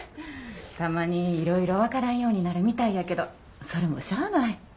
たまにいろいろ分からんようになるみたいやけどそれもしゃない。